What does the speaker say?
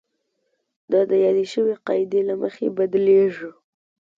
دا د یادې شوې قاعدې له مخې بدلیږي.